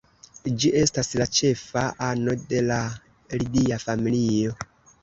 Ĝi estas la ĉefa ano de la Lidia familio.